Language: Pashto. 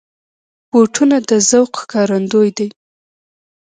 بوټونه د ذوق ښکارندوی دي.